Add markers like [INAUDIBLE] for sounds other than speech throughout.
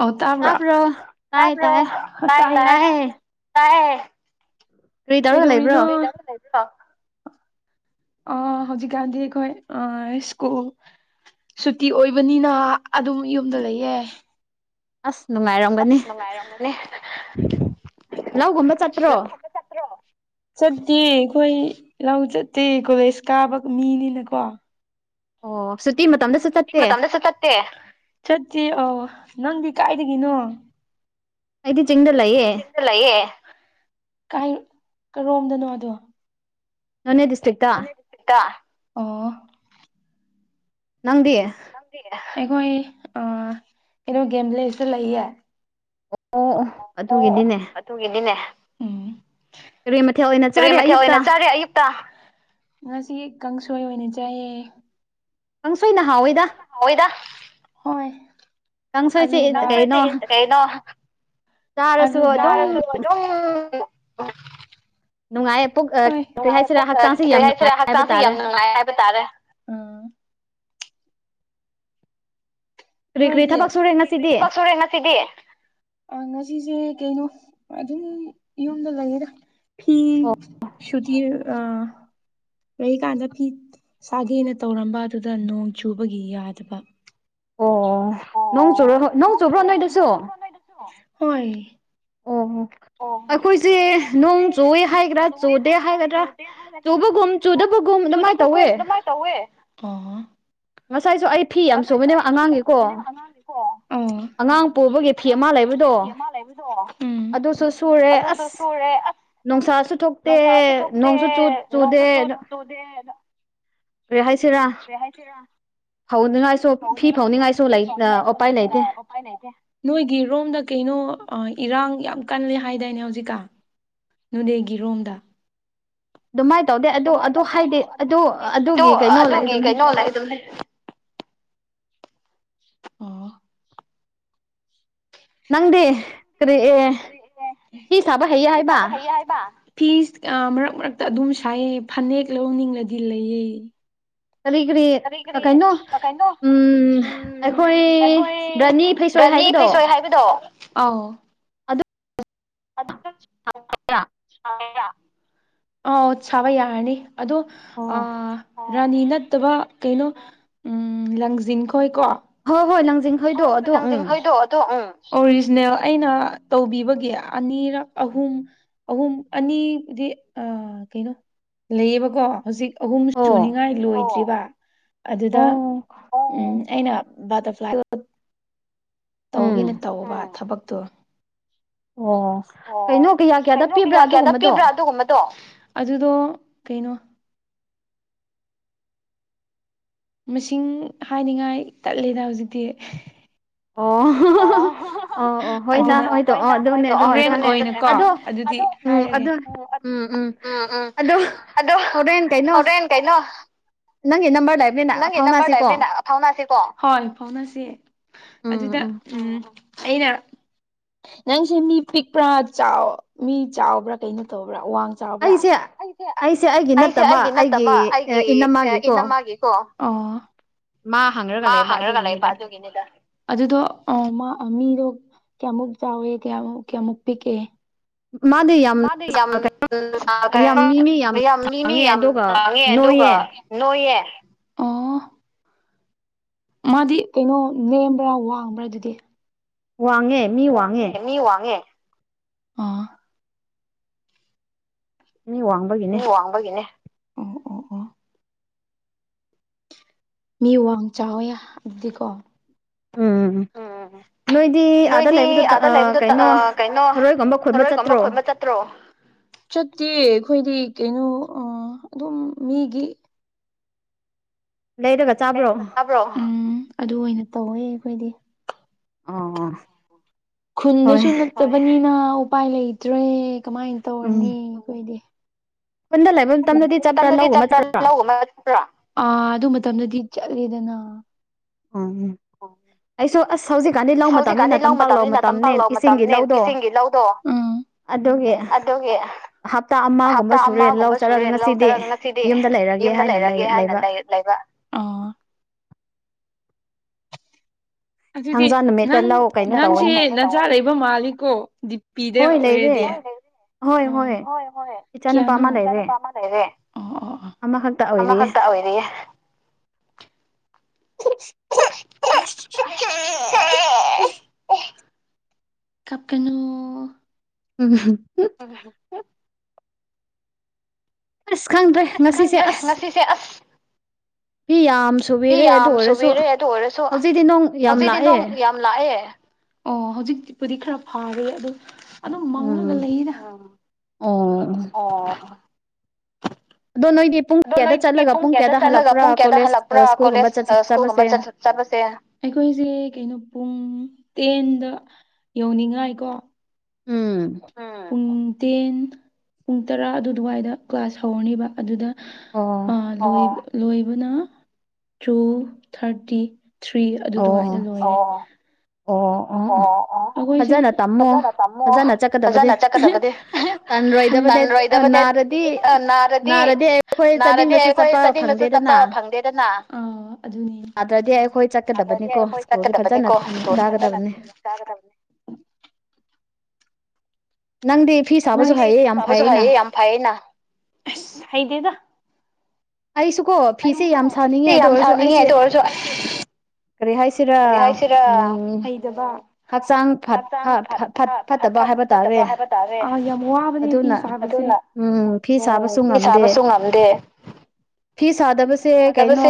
ꯑꯣ ꯇꯥꯕ꯭ꯔꯥ ꯇꯕ꯭ꯔꯣ ꯇ ꯀꯩ ꯇꯧꯔꯤꯅꯣꯣ ꯑ ꯍꯧꯖꯤꯀꯥꯟꯗꯤ ꯀꯣꯏ ꯑ ꯁ꯭ꯀꯨꯜ ꯁꯨꯇꯤ ꯑꯣꯏꯕꯅꯤꯅ ꯑꯗꯨꯝ ꯌꯨꯝꯗ ꯂꯩꯌꯦꯦ ꯑꯁ ꯅꯨꯡꯉꯥꯏꯔꯝꯒꯅꯤ ꯂꯧꯒꯨꯝꯕ ꯆꯠꯇ꯭ꯔꯣ ꯆꯠꯇꯦ ꯑꯩꯈꯣꯏ ꯂꯧꯥꯎ ꯆꯠꯇꯦ ꯀꯣꯂꯦꯖ ꯀꯥꯕ ꯃꯤꯅꯤꯅꯀꯣ ꯑꯣ ꯁ꯭ꯨꯤ ꯃ ꯃꯇꯝꯗꯁꯨ ꯆꯠꯇꯦ ꯆꯠꯁꯤꯦ ꯑ ꯅꯪꯗꯤ ꯀꯥꯏꯗꯒꯤꯅꯣ ꯑꯩꯗꯤ ꯆꯖꯤꯡꯗꯂꯌꯦꯦ ꯂꯩꯑꯦ ꯀ ꯀꯔꯣꯝꯗꯅꯣ ꯑꯗꯣ ꯅꯣꯟꯅꯦꯗꯤꯁ꯭ꯔꯤꯛ ꯃꯅꯦ ꯁꯤꯠꯇ ꯑꯣ ꯅꯪꯗꯤ ꯑꯩꯈꯣꯏ ꯑ ꯀꯩꯅꯣ ꯒꯦꯝꯕ꯭ꯂꯦꯁꯤ ꯂꯩꯌꯦ ꯑꯣ ꯑꯣ ꯑꯗꯨꯒꯤꯗꯤꯅꯦ ꯑꯗꯨꯒꯤꯗꯤꯅꯦ ꯀꯔꯦ ꯃꯊꯦꯜ ꯑꯣꯏꯅ ꯆꯥꯔꯦ ꯑꯌꯨꯛꯇ ꯉꯁꯤ ꯀꯥꯡꯁꯣꯏ ꯑꯣꯏꯅ ꯆꯥꯏꯑ ꯍꯗ ꯍꯣꯏ [UNINTELLIGIBLE] ꯝ ꯅꯨꯡꯉꯥꯏꯦ ꯎꯝ ꯅꯨꯡꯉꯥꯏꯌꯦꯦ ꯀꯔꯤ ꯍꯥꯏꯁꯤꯔꯦ ꯍꯛꯆꯥꯡꯁꯦ ꯌꯥꯝ ꯅꯨꯡꯉꯥꯏ ꯍꯥꯏꯕ ꯇꯥꯔꯦ ꯅꯣꯏꯗꯤ ꯊꯕꯛ ꯁꯨꯔꯦ ꯉꯁꯤꯗꯤ ꯑ ꯉꯁꯤꯁꯦ ꯀꯩꯅꯣ ꯑꯗꯨꯝ ꯌꯨꯝꯗ ꯂꯩꯌꯦꯗ ꯐꯤ ꯁꯗꯤ ꯑ ꯂꯩꯔꯤ ꯀꯥꯟꯗ ꯐꯤ ꯁꯥꯒꯦꯅ ꯇꯧꯔꯝꯕ ꯑꯗꯨꯗ ꯅꯣꯡ ꯆꯨꯕꯒꯤ ꯌꯥꯗꯕ ꯑꯣ ꯅꯣꯡ ꯆꯨꯔꯣ ꯅꯣꯡ ꯆꯨꯕ꯭ꯔꯣ ꯅꯣꯏꯗꯁꯨ ꯑꯣ ꯑꯩꯈꯣꯏꯁꯦ ꯅꯣꯡ ꯆꯨꯑꯦ ꯍꯥꯏꯒꯗ꯭ꯔꯥ ꯆꯨꯗꯦ ꯍꯥꯏꯒꯗ꯭ꯔꯥ ꯆꯨꯕꯒꯨꯝ ꯆꯨꯗꯕꯒꯨꯝ ꯑꯗꯨꯃꯥꯏꯅ ꯇꯧꯋꯦ ꯃꯁꯥꯏꯖ ꯑꯩ ꯐꯤꯦꯝ ꯑꯁꯣꯕꯅꯦꯕ ꯑꯉꯥꯡꯒꯤꯀꯣ ꯑꯉꯥꯡ ꯄꯨꯕꯒꯤ ꯐꯤ ꯑꯃ ꯂꯩꯕꯗꯣ ꯑꯗꯨꯁꯨꯁꯨꯔ ꯑꯁ ꯅꯨꯡꯁꯥꯁꯨ ꯊꯣꯛꯇꯦ ꯅꯣꯡꯁꯨ ꯆꯨꯗꯦ ꯑ ꯑꯗꯨꯦꯗ ꯔꯦ ꯍꯥꯏꯁꯤꯦꯔꯥ ꯍꯥꯏꯁꯤꯔ ꯐꯧꯅꯤꯡꯉꯥꯏꯁꯨ ꯐꯤ ꯐꯧꯅꯤꯡꯉꯥꯏꯁꯨ ꯂꯩ ꯎꯄꯥꯏ ꯂꯩꯇꯦ ꯅꯣꯏꯒꯤꯔꯣꯝꯗ ꯀꯩꯅꯣ ꯏꯔꯥꯡ ꯌꯥꯝ ꯀꯜꯂꯦ ꯍꯥꯏꯗꯥꯏꯅꯦ ꯍꯧꯖꯤꯛꯀꯥ ꯅꯦꯒꯤꯔꯣꯝꯗ ꯑꯗꯨꯃꯥꯏꯅ ꯇꯧꯗꯦ ꯑꯗꯨ ꯑꯗꯨ ꯍꯥꯏꯗꯤ ꯑꯗꯨ ꯑꯗꯨꯒꯤ ꯀꯩꯅꯣ ꯂꯩ ꯑꯗꯨꯝ ꯂꯩ ꯑꯗꯨꯝꯅꯦ ꯑꯣ ꯅꯪꯗꯤꯦ ꯀꯔꯤ ꯑꯦ ꯀꯤ ꯊꯕ ꯍꯩ ꯍꯥꯏꯕ ꯐꯤꯁ ꯃꯔꯛ ꯃꯔꯛꯇ ꯑꯗꯨꯝ ꯁꯥꯏꯌꯦ ꯐꯅꯦꯛ ꯂꯧꯅꯤꯡꯉꯗꯤ ꯂꯩꯌꯦ ꯀꯔꯤ ꯀꯔꯤ ꯀꯩꯅꯣ ꯎꯝ ꯑꯩꯈꯣꯏ ꯔꯥꯅꯤ ꯐꯩꯁꯣꯏ ꯍꯥꯏꯕꯗꯣ ꯑꯥꯎ ꯑꯗꯨ ꯑ ꯑ ꯁꯥꯕ ꯌꯥꯔꯅꯤ ꯑꯗꯣ ꯑꯥ ꯔꯥꯅꯤ ꯅꯠꯇꯕ ꯀꯩꯅꯣ ꯎ ꯂꯪꯖꯤꯟ ꯈꯣꯏ ꯀꯣ ꯍꯣꯏ ꯍꯣꯏ ꯂꯪꯖꯤꯡ ꯍꯣꯏ ꯍꯣꯏ ꯂꯪꯖꯤꯡꯈꯣꯏꯗꯣ ꯑꯣꯔꯤꯖꯤꯅꯦꯜ ꯑꯩꯅ ꯇꯧꯕꯤꯕꯒꯤ ꯑꯅꯤꯔꯛ ꯑꯍꯨꯝ ꯑꯍꯨꯝ ꯑꯅꯤꯗꯤ ꯑ ꯀꯩꯅꯣ ꯂꯩꯌꯦꯕꯀꯣ ꯍꯧꯖꯤꯛ ꯑꯍꯨꯝ ꯁꯨꯅꯤꯉꯥꯏ ꯂꯣꯏꯗ꯭ꯔꯤꯕ ꯑꯗꯨꯗ ꯎꯝ ꯑꯩꯅ ꯕꯇꯔꯐ꯭ꯂꯥꯏ ꯇꯧꯒꯦꯅ ꯇꯧꯕꯧꯕ ꯊꯕꯛꯇꯣ ꯑꯣ ꯑꯣ ꯀꯩꯅꯣ ꯀꯌꯥ ꯀꯌꯥꯗ ꯄꯤꯕ꯭ꯔꯥ ꯑꯗꯨꯒꯨꯝꯕꯗꯣ ꯑꯗꯨꯗꯣ ꯀꯩꯅꯣ ꯃꯁꯤꯡ ꯍꯥꯏꯅꯤꯡꯉꯥꯏ ꯇꯠꯂꯦꯗ ꯍꯧꯖꯤꯛꯇꯤ ꯑꯣ ꯑꯗꯨꯅ ꯑꯣꯏꯅꯀꯣ ꯑꯗꯨꯗꯤ ꯍꯥꯏꯔꯒꯦ ꯎꯝ ꯎꯝ ꯑꯗꯣ ꯍꯣꯔꯦꯟ ꯀꯩꯅꯣ ꯅꯪ ꯅꯝꯕꯔ ꯂꯩꯥꯏ ꯅꯪꯒꯤ ꯅꯝꯕꯔꯂꯩꯕꯅꯤꯅ ꯐꯥꯎꯅꯁꯤꯀꯣ ꯍꯣꯏ ꯐꯥꯎꯅꯁꯤ ꯑꯗꯨꯗ ꯎꯝ ꯑꯩꯅꯔ ꯅꯪꯁꯦ ꯃꯤ ꯄꯤꯛꯄ꯭ꯔꯥ ꯆꯥꯎ ꯃꯤ ꯆꯥꯎꯕ꯭ꯔꯥ ꯀꯩꯅꯣ ꯇꯧꯕ꯭ꯔꯥ ꯋꯥꯡ ꯆꯥꯎꯕ꯭ꯔꯥ ꯑꯩꯁꯦ ꯑꯩꯁꯦ ꯑꯩꯒꯤ ꯅꯠꯇꯕ ꯑꯩꯒꯤ ꯏꯅꯃꯥꯒꯤ ꯑꯣ ꯃꯥ ꯃꯥ ꯍꯪꯉ꯭ꯔꯒ ꯂꯩꯕ ꯑꯗꯨꯒꯤꯅꯤꯗ ꯑꯗꯨꯗꯣ ꯃꯤꯗꯣ ꯀꯌꯥꯃꯨꯛ ꯆꯥꯎꯋꯦ ꯀꯌꯥꯃꯨ ꯀꯌꯥꯃꯨꯛ ꯄꯤꯛꯀꯦ ꯃꯥꯗꯤ ꯌꯥꯝ ꯀꯣ ꯌꯥꯝ ꯃꯤꯅꯤ ꯌꯥꯝ ꯁꯥꯡꯉꯦ ꯑꯗꯨꯒ ꯅꯣꯏꯌꯦ ꯃꯥꯗꯤ ꯀꯩꯅꯣ ꯅꯦꯝꯕ꯭ꯔꯥ ꯋꯥꯡꯕ꯭ꯔꯥ ꯑꯗꯨꯗꯤ ꯋꯥꯉꯦ ꯋꯥꯡꯉꯦ ꯃꯤ ꯋꯥꯡꯉꯦ ꯃꯤ ꯋꯥꯡ ꯃꯤ ꯋꯥꯡꯕꯒꯤꯅꯦ ꯎꯝ ꯎꯝ ꯎꯝ ꯃꯤ ꯋꯥꯡ ꯆꯥꯎꯋꯦ ꯑꯗꯨꯗꯤꯀꯣ ꯎꯝ ꯅꯣꯏꯗꯤ ꯑꯥꯗ ꯂꯩꯕꯗꯣ ꯀꯩꯅꯣ ꯊꯔꯣꯏꯒꯨꯝꯕ ꯈꯨꯟꯕ ꯆꯠꯇ꯭ꯔꯣ ꯆꯠꯇ꯭ꯔꯣ ꯆꯠꯇꯦ ꯑꯩꯈꯣꯏꯗꯤ ꯀꯩꯅꯣ ꯑꯗꯨꯝ ꯃꯤꯒꯤ ꯂꯩꯔꯒ ꯆꯥꯕ꯭ꯔꯣ ꯎꯝ ꯑꯗꯨ ꯑꯣꯏꯅ ꯇꯧꯋꯦ ꯑꯩꯈꯣꯏꯗꯤ ꯑꯣ ꯈꯨꯟꯗꯁꯨ ꯅꯠꯇꯕꯅꯤꯅ ꯎꯄꯥꯏ ꯂꯩꯇ꯭ꯔꯦ ꯀꯃꯥꯏꯅ ꯇꯧꯔꯅꯤ ꯑꯩꯈꯣꯏꯗꯤ [UNINTELLIGIBLE] ꯑꯥ ꯑꯗꯨ ꯃꯇꯝꯗꯗꯤ ꯆꯠꯂꯦꯗꯅ ꯑꯣ ꯑꯣ ꯍꯧꯖꯤꯛꯀꯥꯟꯗꯤ ꯂꯧ ꯃꯇꯝꯅꯤꯅ ꯇꯝꯄꯥꯛ ꯂꯧ ꯃꯇꯝꯅꯦ ꯏꯁꯤꯡꯒꯤ ꯂꯧꯗꯣ ꯑꯗꯨꯒꯤ ꯑꯗꯨꯒꯤ ꯍꯞꯇꯥ ꯑꯃꯒꯨꯝꯕ ꯁꯨꯔꯦ ꯂꯧꯊꯔꯒ ꯉꯁꯤꯗꯤ ꯌꯨꯝꯗ ꯂꯩꯔꯒꯦ ꯍꯥꯏꯅ ꯂꯩ ꯂꯩꯕ ꯑꯗꯨꯗꯤ ꯅꯪ ꯅꯪꯁꯦ ꯅꯆꯥ ꯂꯩꯕ ꯃꯥꯜꯂꯤꯀꯣ ꯄꯤꯗ ꯑꯣꯏꯔꯗꯤ ꯎꯝ ꯍꯣꯏ ꯍꯣꯏ ꯀ ꯀꯅ ꯄꯃꯒꯔꯦ ꯎ ꯑꯃꯈꯛꯇ ꯑꯣꯏꯔꯤꯌꯦ [UNINTELLIGIBLE] ꯀꯄꯅ ꯎꯝ [UNINTELLIGIBLE] ꯑꯁ ꯈꯪꯗꯦ ꯈꯪꯗ꯭ꯔꯦ ꯉꯁꯤꯁꯦ ꯑꯁ ꯐꯤ ꯌꯥꯝ ꯁꯨꯕꯤꯔꯦ ꯑꯗꯨ ꯑꯣꯏꯔꯁꯨ ꯍꯧꯖꯤꯛꯇꯤ ꯅꯣꯡ ꯌꯥꯝ ꯂꯥꯛꯑꯦ ꯂꯥꯛꯑꯦ ꯍꯧꯖꯤꯛꯄꯨꯗꯤ ꯈꯔ ꯐꯥꯔꯦ ꯑꯗꯨ ꯑꯗꯨꯝ ꯃꯪꯉꯒ ꯂꯩꯗ ꯑꯣ ꯗꯣ ꯅꯪꯒꯤ ꯑꯗꯣ ꯅꯣꯏꯗꯤ ꯄꯨꯡ ꯀꯌꯥꯗ ꯆꯠꯂꯒ ꯄꯨꯡ ꯀꯌꯥꯗ ꯍꯜꯂꯛꯄ꯭ꯔꯥ ꯀꯣꯂꯦꯖ ꯁ꯭ꯀꯨꯜꯒꯨꯝꯕ ꯆꯠ ꯆꯠꯄꯁꯦ ꯑꯩꯈꯣꯏꯁꯦ ꯀꯩꯅꯣ ꯄꯨꯡ ꯇꯦꯟꯗ ꯌꯧꯅꯤꯡꯉꯥꯏ ꯀꯣ ꯎꯝ ꯄꯨꯡ ꯇꯦꯟ ꯄꯨꯡ ꯇꯔꯥ ꯑꯗꯨ ꯑꯗꯨꯋꯥꯏꯗ ꯀ꯭ꯂꯥꯁ ꯍꯧꯔꯅꯤꯕ ꯑꯗꯨꯗ ꯂꯣꯏ ꯂꯣꯏꯕꯅ ꯇꯨ ꯊꯥꯔꯇꯤ ꯊ꯭ꯔꯤ ꯑꯗꯨꯗꯨꯋꯥꯏꯗ ꯂꯣꯏꯔꯦ ꯑꯣ ꯑꯣ ꯑꯣ ꯑꯩꯈꯣꯏꯁꯤꯦ ꯐꯖꯅ ꯇꯝꯃꯣ ꯐꯖꯅ ꯆꯠꯀꯗꯕꯗꯤ ꯅ ꯔꯣꯗꯕꯅꯦ ꯅꯔꯗꯤ ꯅꯔꯗꯤ ꯑꯩꯈꯣꯏ ꯆꯅꯤꯡꯡꯗꯁꯨ ꯆꯠꯄ ꯐꯪꯗꯦꯗꯅ ꯑꯥ ꯑꯗꯨꯅꯦ ꯑꯗꯗꯤ ꯑꯩꯈꯣꯏ ꯆꯠꯀꯗꯕꯅꯤꯀꯣ ꯒꯗꯕꯅꯦ ꯅꯪꯗꯤ ꯐꯤ ꯁꯥꯕꯁꯨ ꯐꯩꯌꯦ ꯌꯥꯝ ꯐꯩꯌꯦꯩꯅ ꯐꯌꯦꯅ ꯍꯥꯏꯗꯦꯗ ꯑꯩꯁꯨ ꯀꯣ ꯐꯤꯁꯦ ꯌꯥꯝ ꯁꯥꯅꯤꯡꯉꯦ ꯑꯗꯨ ꯑꯣꯏꯔꯁꯨ ꯑꯩꯁꯦ ꯀꯔꯤ ꯍꯥꯏꯁ ꯁꯤꯔ ꯎꯝ ꯗꯕ ꯍꯛꯆꯥꯡ ꯐꯠꯇꯕ ꯍꯥꯏꯕ ꯇꯥꯔꯦ ꯑꯗꯨꯅ ꯎꯝ ꯐꯤ ꯁꯥꯕꯁꯨ ꯉꯝꯗꯦ ꯐꯤ ꯁꯥꯗꯕꯁꯦ ꯀꯩꯅꯣ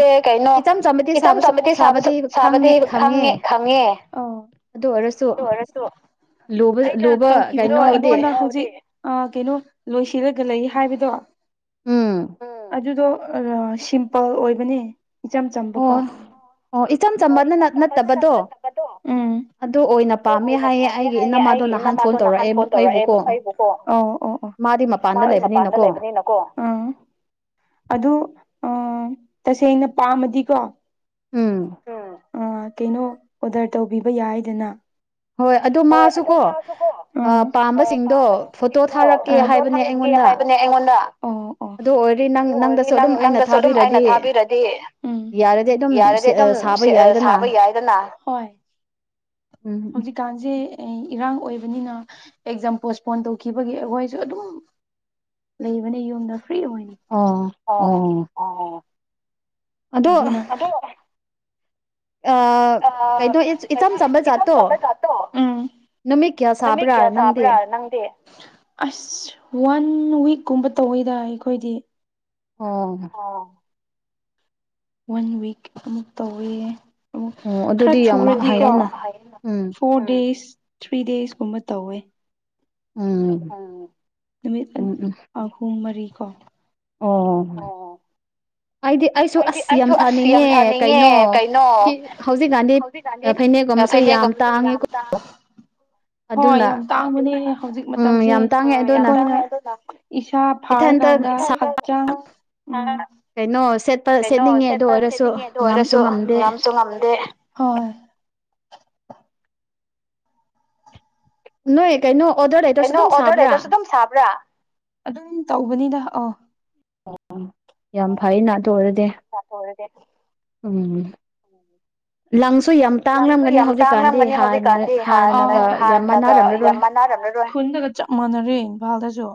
ꯏꯆꯝ ꯆꯝꯕꯗꯤ ꯁꯥꯕꯁꯨ ꯁꯥꯕꯗꯤ ꯈꯪꯉꯦ ꯈꯪꯉꯦ ꯑꯣꯌꯦ ꯑꯣ ꯑꯗꯨ ꯑꯣꯏꯔꯁꯨ ꯑꯩꯅ ꯇꯧꯈꯤꯕꯗꯣ ꯑꯩꯉꯣꯟꯗ ꯍꯧꯖꯤꯛ ꯑ ꯀꯩꯅꯣ ꯂꯣꯏꯁꯤꯜꯂꯒ ꯂꯩ ꯍꯥꯏꯕꯗꯣ ꯑꯗꯨꯗꯣ ꯁꯤꯝꯄꯜ ꯑꯣꯏꯕꯅꯦ ꯏꯆꯝ ꯆꯝꯕꯀꯣ ꯑꯣ ꯏꯆꯝ ꯇꯝꯕꯅ ꯅꯠꯇꯕꯗꯣ ꯑꯗꯨ ꯑꯣꯏꯅ ꯄꯥꯝꯃꯦ ꯍꯥꯏꯌꯦ ꯑꯩꯒꯤ ꯏꯅꯝꯃꯥꯗꯣ ꯅꯍꯥꯟ ꯐꯣꯟ ꯇꯧꯔꯛꯑꯦ ꯑꯩꯕꯨ ꯍꯣ ꯎ ꯃꯥꯗꯤ ꯃꯄꯥꯟꯗ ꯂꯩꯕꯅꯤꯅꯀꯣ ꯑꯥ ꯑꯗꯨ ꯇꯁꯦꯡꯅ ꯄꯥꯝꯃꯗꯤꯀꯣ ꯎꯝ ꯀꯩꯅꯣ ꯑꯣꯗꯔ ꯇꯧꯕꯤꯕ ꯌꯥꯏꯗꯅ ꯍꯣꯏ ꯑꯗꯣ ꯃꯥꯁꯨꯀꯣ ꯄꯥꯝꯕꯁꯤꯡꯗꯣ ꯐꯣꯇꯣ ꯊꯥꯔꯛꯀꯦ ꯍꯥꯏꯕꯅꯦ ꯑꯩꯉꯣꯟꯗ ꯎꯝ ꯎ ꯑꯗꯨ ꯑꯣꯏꯔꯗꯤ ꯅ ꯅꯪ ꯁꯨ ꯑꯗꯨꯝ ꯑꯩꯅ ꯊꯥꯕꯤꯔꯗꯤ ꯎꯝ ꯌꯥꯔꯗꯤ ꯑꯗꯨꯝ ꯁꯥꯕ ꯌꯥꯏꯗꯅ ꯎꯝ ꯎꯝ ꯍꯧꯖꯤꯀꯥꯟꯁꯦ ꯏꯔꯥꯡ ꯑꯣꯏꯕꯅꯤꯅ ꯑꯦꯛꯖꯥꯝ ꯄꯣꯁꯄꯣꯟ ꯇꯧꯈꯤꯕꯒꯤ ꯑꯩꯈꯣꯏꯁꯨ ꯑꯗꯨꯝ ꯂꯩꯕꯅꯦ ꯌꯨꯝꯗ ꯐ꯭ꯔꯤ ꯑꯣꯏꯅꯤ ꯑꯣ ꯑꯣ ꯑꯣ ꯑꯣ ꯑꯗꯨꯅ [UNINTELLIGIBLE] [INAUDIBLE] ꯎ [UNINTELLIGIBLE] ꯅꯃꯤ ꯀꯌꯥ ꯁꯥꯕ꯭ꯔꯥ ꯅꯪꯗꯦ ꯑꯁ ꯋꯥꯟ ꯋꯤꯛꯀꯨꯝꯕ ꯇꯧꯋꯤꯗ ꯑꯩꯈꯣꯏꯗꯤ ꯑꯣ ꯑ ꯋꯥꯟ ꯋꯤꯛ ꯑꯃꯨꯛ ꯇꯧꯋꯦ ꯎ ꯈꯔ ꯆꯨꯔꯗꯤꯀꯣ ꯐꯣꯔ ꯗꯦꯁ ꯊ꯭ꯔꯤ ꯗꯦꯁꯀꯨꯝꯕ ꯇꯧꯋꯦ ꯎꯝ ꯎꯝ ꯅꯨꯃꯤꯠ ꯑꯍꯨꯝ ꯃꯔꯤ ꯀꯣ ꯑꯣ ꯑꯩꯗꯤ ꯑꯩꯁꯨ ꯑꯁ ꯌꯥꯝ ꯁꯥꯅꯤꯡꯉꯦ ꯀꯩꯅꯣ ꯍꯧꯖꯤꯛꯀꯥꯟꯗꯤ ꯐꯅꯦꯛꯀꯨꯝꯕꯁꯨ ꯌꯥꯝ ꯇꯥꯡꯉꯦꯀꯣ꯫ [UNINTELLIGIBLE] ꯍꯣꯏ ꯌꯥꯝ ꯇꯥꯡꯕꯅꯦ ꯍꯧꯖꯤꯛ ꯃꯇꯝꯁꯦ [UNINTELLIGIBLE] ꯑꯩꯈꯣꯏꯅ ꯏꯁꯥ ꯊꯔ ꯀꯥꯟꯗꯗꯥ [UNINTELLIGIBLE] ꯀꯩꯅꯣ ꯁꯦꯠ ꯀꯩꯅꯣ ꯁꯦꯠꯄ ꯁꯦꯠꯅꯤꯡꯉꯦ ꯑꯗꯨ ꯑꯣꯏꯔꯁꯨ ꯉꯝꯁꯨ ꯉꯝꯗꯦ ꯍꯣꯢ ꯅꯣꯏ ꯀꯩꯏꯅꯣ ꯀꯩꯅꯣ ꯑꯣꯗꯔ ꯂꯩꯇ꯭ꯔꯁꯨ ꯑꯗꯨꯝ ꯁꯥꯕ꯭ꯔꯥ ꯑꯗꯨꯝ ꯇꯧꯕꯅꯤꯗ ꯑ ꯌꯥꯝ ꯐꯩ ꯅꯥ ꯑꯗꯨ ꯑꯣꯏꯔꯗꯤ [UNINTELLIGIBLE] ꯎꯝ [INAUDIBLE] ꯂꯝꯁꯨ ꯌꯥꯝ ꯇꯥꯡꯂꯝꯒꯅꯤ ꯍꯧꯖꯤꯛꯀꯥꯟꯗꯤ ꯍꯥꯟꯅ ꯍꯥꯟꯅꯒ ꯌꯥꯝ ꯃꯅꯥꯔꯝꯂꯔꯣꯏ ꯈꯨꯟꯗꯒ ꯆꯞ ꯃꯥꯟꯅꯔꯦ ꯏꯝꯐꯥꯜꯗꯁꯨ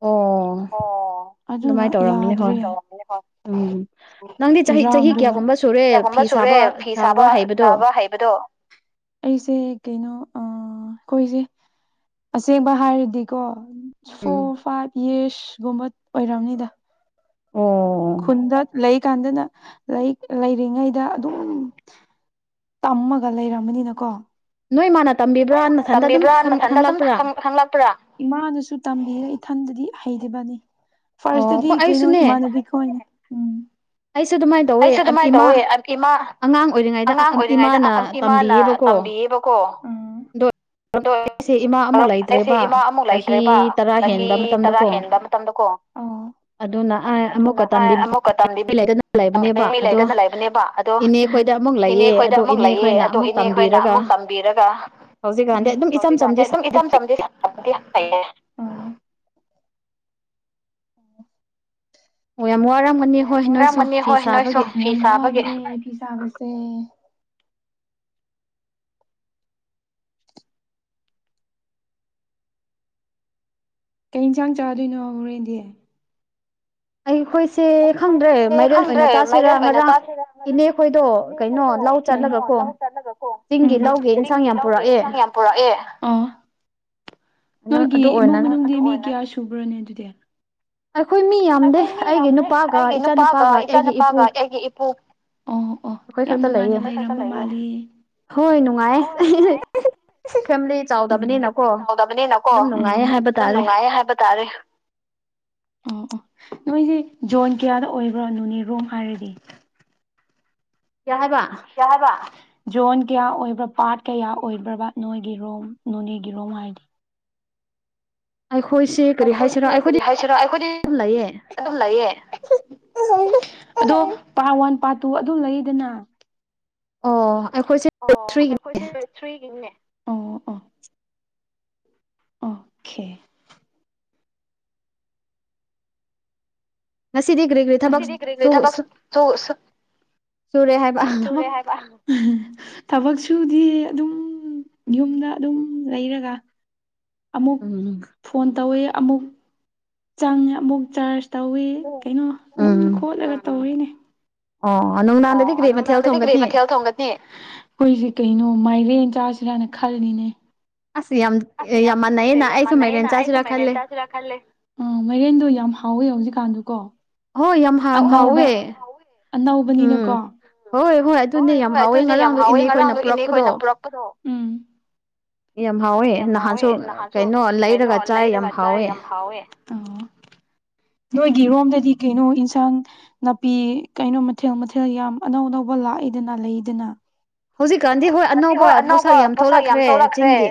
ꯑꯣ ꯑꯗꯨꯃꯥꯏꯅ ꯇꯧꯔꯝꯅꯤ ꯍꯣꯏ ꯎꯝ ꯅꯪꯗꯤ ꯆꯍꯤ ꯆꯍꯤ ꯀꯌꯥꯒꯨꯝꯕ ꯁꯨꯔꯦ ꯐꯤ ꯁꯥꯕ ꯁꯥꯕ ꯍꯩꯕꯗꯣ ꯕꯗꯣ ꯑꯩꯁꯦ ꯀꯩꯅꯣ ꯑ ꯑꯩꯈꯣꯏꯁꯦ ꯑꯁꯦꯡꯕ ꯍꯥꯏꯔꯗꯤꯀꯣ ꯐꯣꯔ ꯐꯥꯏꯚ ꯌꯔꯁꯒꯨꯝꯕ ꯑꯣꯏꯔꯝꯅꯤꯗ ꯑꯣ ꯈꯨꯟꯗ ꯂꯩꯀꯥꯟꯗꯅ ꯂꯩ ꯂꯩꯔꯤꯉꯩꯗ ꯑꯗꯨꯝ ꯇꯝꯃꯒ ꯂꯩꯔꯝꯃꯅꯤꯅꯀꯣ ꯅꯣꯏ ꯃꯥꯥꯟ ꯅꯣꯏ ꯏꯃꯥꯅ ꯇꯝꯕꯤꯕ꯭ꯔꯥ ꯅꯊꯟꯗ ꯑꯗꯨꯝ ꯈꯪ ꯈꯪꯂꯛꯄ꯭ꯔꯥ ꯏꯃꯥꯅꯁꯨ ꯇꯝꯕꯤꯔ ꯏꯊꯟꯗꯗꯤ ꯍꯩꯕꯅꯤ ꯐꯥꯔꯁꯇꯗꯤ ꯀꯩꯅꯣ ꯏꯃꯥꯅꯕꯤ ꯍꯣꯏ ꯎꯝ ꯑꯩꯁꯨ ꯑꯗꯨꯃꯥꯏꯅ ꯇꯧꯋꯦ ꯏꯃꯥ ꯑꯉꯥꯡ ꯑꯣꯏꯔꯤꯉꯩꯗ ꯏꯃꯥꯅ ꯇꯝꯕꯤꯌꯦꯕ ꯀꯣ ꯎꯝ [UNINTELLIGIBLE] [UNINTELLIGIBLE] ꯑꯩꯁꯦ ꯏꯃꯥ ꯑꯃꯨꯛ ꯂꯩꯇ꯭ꯔꯦꯕ ꯆꯍꯤ ꯇꯔꯥ ꯍꯦꯟꯕ ꯃꯇꯝꯗꯀꯣ ꯑꯣ ꯑꯗꯨꯅ ꯑ ꯑꯃꯨꯛꯀ ꯇꯝꯗꯤ ꯀꯇꯝꯗꯤ ꯃꯤ ꯂꯩꯗꯅ ꯂꯩꯕꯅꯦꯕ ꯑꯗꯣ ꯏꯅꯦ ꯈꯣꯏꯗ ꯑꯃꯨꯛ ꯂꯩꯌꯦ ꯑꯗꯣ ꯏꯅꯦ ꯈꯣꯏꯅ ꯑꯃꯨꯛ ꯇꯝ ꯕꯤꯔꯒ ꯎ ꯍꯧꯖꯤꯛꯀꯥꯟꯗꯤ ꯑꯗꯨꯝ ꯏꯆꯝ ꯆꯝꯗꯤꯗꯤ ꯍꯩꯌꯦ ꯑꯣ ꯌꯥꯝ ꯋꯥꯔꯝ ꯑꯣ ꯌꯥꯝ ꯋꯥꯔꯝꯒꯅꯤ ꯍꯣꯏ ꯅꯣꯏꯁꯨ ꯐꯤ ꯁꯥꯕꯒꯤ ꯐꯤ ꯁꯥꯕꯁꯦ ꯀꯩ ꯌꯦꯟꯁꯥꯡ ꯆꯥꯗꯣꯏꯅꯣ ꯍꯣꯔꯦꯟꯗꯤ ꯑꯩ ꯑꯩꯈꯣꯏꯁꯦ ꯈꯪꯗ꯭ꯔꯦ ꯃꯥꯏꯔꯦꯜ ꯑꯣꯏꯅ ꯆꯥꯁꯤꯔꯥ ꯉꯥꯡ ꯏꯅꯦ ꯑꯩꯈꯣꯏꯗꯣ ꯀꯩꯅꯣ ꯂꯧ ꯆꯠꯂꯒ ꯀꯣ ꯎ ꯆꯤꯡꯒꯤ ꯂꯧꯒꯤ ꯏꯟꯁꯥꯡ ꯌꯥꯝ ꯄꯨꯔꯛꯑꯦ [UNINTELLIGIBLE] ꯅꯣꯏꯒꯤ ꯏꯃꯨꯡ ꯃꯅꯨꯡ ꯃꯤ ꯀꯌꯥ ꯁꯨꯕ꯭ꯔꯣꯅꯦ ꯑꯗꯨꯗꯤ ꯑꯩꯈꯣꯏ ꯃꯤ ꯑꯩꯈꯣꯏ ꯃꯤ ꯌꯥꯝꯗꯦ ꯑꯩꯒꯤ ꯅꯨꯄꯥꯒ ꯏꯆꯥ ꯅꯨꯨꯄꯥꯒ ꯑꯩꯒꯤ ꯏꯄꯨ ꯑꯣ ꯑꯣ ꯌꯥꯝ ꯅꯨꯡꯉꯥꯏꯅ ꯂꯩꯔ ꯃꯥꯂꯤ ꯍꯣꯏ ꯅꯨꯡꯉꯥꯏ ꯐꯦꯃꯤꯂꯤ ꯆꯥꯎꯗꯕꯅꯤꯅꯀꯣ ꯑꯗꯨꯝ ꯅꯨꯡꯉꯥꯏꯌꯦ ꯍꯥꯏꯕ ꯇꯥꯔꯦ ꯑꯣ ꯑꯣ ꯅꯣꯏꯁꯦ ꯖꯣꯟ ꯀꯌꯥꯗ ꯑꯣꯏꯕ꯭ꯔꯣ ꯅꯣꯅꯦꯔꯣꯝ ꯍꯥꯏꯔꯗꯤ ꯌꯥ ꯍꯥꯏꯕ ꯕ ꯖꯣꯟ ꯀꯌꯥ ꯑꯣꯏꯕ꯭ꯔꯥ ꯄꯥꯔꯠ ꯀꯌꯥ ꯑꯣꯏꯕ꯭ꯔꯕ ꯅꯣꯏꯒꯤꯔꯣꯝ ꯅꯣꯅꯦꯒꯤꯔꯣꯝ ꯍꯥꯏꯗꯤ ꯑꯩꯈꯣꯏꯁꯦ ꯀꯔꯤ ꯍꯥꯏꯁꯤꯅꯣ ꯑꯩꯈꯣꯏꯗꯤ ꯂꯩꯌꯦ ꯑꯗꯣ ꯄꯥꯔ ꯋꯥꯟ ꯄꯥꯔ ꯇꯨ ꯑꯗꯨꯝ ꯂꯩꯌꯦꯗꯅ ꯑꯣ ꯑꯩꯈꯣꯏꯁꯦ ꯑꯣ ꯑꯩꯈꯣꯏꯁꯦ ꯊ꯭ꯔꯤꯒꯤꯅꯦ ꯑꯣ ꯑꯣ ꯑꯣꯀꯦ ꯉꯁꯤꯗꯤ ꯀ꯭ꯔꯤꯒ꯭ꯔꯤ ꯊꯕꯛ ꯁꯨꯔꯦ ꯍꯥꯏꯕ ꯊꯕꯛ ꯁꯨꯗꯤ ꯑꯗꯨꯝ ꯌꯨꯝꯗ ꯑꯗꯨꯝ ꯂꯩꯔꯒ ꯑꯃꯨꯛ ꯐꯣꯟ ꯇꯧꯋꯦ ꯑꯃꯨꯛ ꯆꯪꯉꯦ ꯑꯃꯨꯛ ꯆꯥꯔꯖ ꯇꯧꯋ ꯀꯩꯅꯣ ꯑꯗꯨꯝ ꯈꯣꯠꯂꯒ ꯇꯧꯔꯤꯅꯦ ꯑꯣꯅ ꯑꯣ ꯅꯨꯡꯗꯥꯡꯗꯗꯤ ꯒꯔꯤ ꯃꯊꯦꯜ ꯊꯣꯡꯒꯁꯦ ꯑꯦ ꯑꯩꯈꯣꯏꯁꯦ ꯀꯩꯅꯣ ꯃꯥꯏꯔꯦꯟ ꯆꯥꯁꯤꯔꯥꯅ ꯈꯜꯂꯤꯅꯦ ꯑꯁ ꯌꯥꯝ ꯌꯥꯝ ꯃꯥꯟꯅꯩꯌꯦꯅ ꯑꯩꯁꯨꯨꯝ ꯃꯩ ꯀꯦꯟ ꯆꯥꯁꯤꯔꯥ ꯈꯜꯂꯦ ꯦ ꯑ ꯃꯥꯏꯔꯦꯟꯗꯣ ꯌꯥꯝ ꯍꯥꯎꯋꯦ ꯍꯧꯖꯤꯛꯀꯥꯟꯗꯨ ꯀꯣ ꯍꯣꯏ ꯌꯥꯝ ꯍ ꯍꯥꯎꯋꯦ ꯎꯝ ꯍꯣꯏ ꯍꯣꯏ ꯑꯗꯨꯅꯦ ꯌꯥꯝ ꯍꯥꯎꯋꯦ ꯉꯔꯥꯡꯗꯣ ꯏꯅꯦ ꯈꯈꯣꯏꯅ ꯄꯨꯔꯛꯄꯗꯣ ꯌꯥꯝ ꯍꯥꯎꯋꯦ ꯅꯍꯥꯟꯁꯨ ꯀꯩꯅꯣ ꯂꯩꯔꯒ ꯆꯥꯏ ꯌꯥꯝ ꯍꯥꯎꯋꯦ ꯐꯥꯎꯋꯦ [UNINTELLIGIBLE] ꯅꯣꯏꯒꯤꯔꯣꯝꯗꯗꯤ ꯀꯩꯅꯣ ꯏꯟꯁꯥꯡ ꯅꯥꯄꯤ ꯀꯩꯅꯣ ꯃꯊꯦꯜ ꯃꯊꯦꯜ ꯌꯥꯝ ꯑꯅꯧ ꯑꯅꯧꯕ ꯂꯥꯛꯏꯗꯅ ꯂꯩꯗꯅ ꯍꯧꯖꯤꯛꯀꯥꯟꯗꯤ ꯍꯣꯏ ꯑꯅꯧꯕ ꯄꯣꯠꯁꯛ ꯌꯥꯝ ꯊꯣꯛꯂꯛꯈ꯭ꯔꯦ ꯆꯤꯡꯒꯤ